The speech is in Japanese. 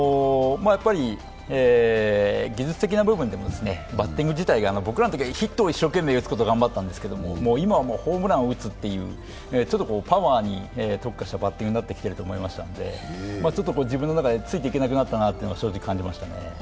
やっぱり技術的な部分でもバッティング自体が僕らのときは、ヒットを一生懸命打つことを頑張ったんですけど、今はホームランを打つというパワーに特化したバッティングになってきていると思いましたのでちょっと自分の中でついていけなくなったと感じましたね。